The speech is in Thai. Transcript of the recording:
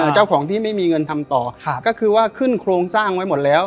เจ้าของที่ไม่มีเงินทำต่อก็คือว่าขึ้นโครงสร้างไว้หมดแล้ว